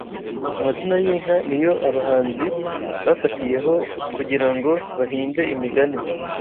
Amazina y’inka niyo Abahanzi bafatiyeho kugirango bahimbe imigani